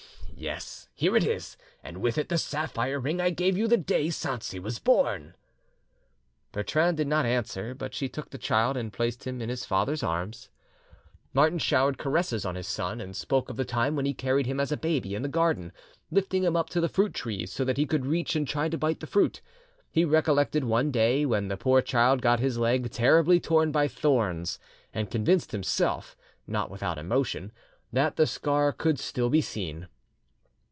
Yes, here it is, and with it the sapphire ring I gave you the day Sanxi was born." Bertrande did not answer, but she took the child and placed him in his father's arms. Martin showered caresses on his son, and spoke of the time when he carried him as a baby in the garden, lifting him up to the fruit trees, so that he could reach and try to bite the fruit. He recollected one day when the poor child got his leg terribly torn by thorns, and convinced himself, not without emotion, that the scar could still be seen.